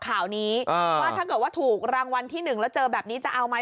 ข่าวนี้ว่าถ้าเกิดว่าถูกรางวัลที่หนึ่งแล้วเจอแบบนี้จะเอาไหม